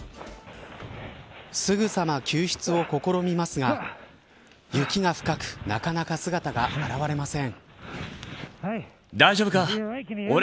すぐさま救出を試みますが雪が深く、なかなか姿が現れません。